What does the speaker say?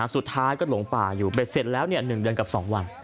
สุดท้ายก็หลงป่าอยู่เบ็ดเสร็จแล้ว๑เดือนกับ๒วัน